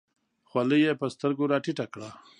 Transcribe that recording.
خولۍ یې په سترګو راټیټه کړه.